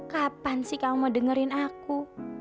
kapan sih kamu mau dengerin aku